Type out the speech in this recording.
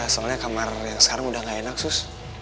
soalnya kamar yang sekarang udah nggak enak sus